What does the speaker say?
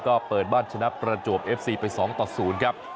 ก็เปิดบ้านชนะประจวบเอฟซีไป๒ต่อ๐ครับ